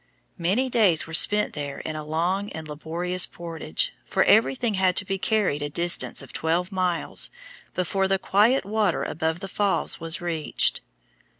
Many days were spent there in a long and laborious portage, for everything had to be carried a distance of twelve miles before the quiet water above the falls was reached.